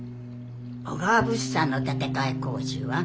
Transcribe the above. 小川物産の建て替え工事は？